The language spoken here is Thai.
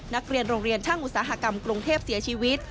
นักเรียนโรงเรียนช่างอุตสาหกรรมกรุงเทพเสียชีวิต